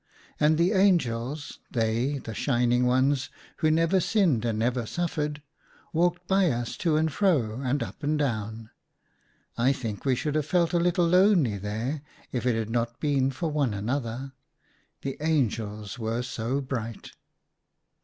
And the angels, they, the shining ones who never sinned and never suffered, walked by us to and fro and up and down ; I think we should have felt a little lonely there if it had not been for one another, the angels were so bright.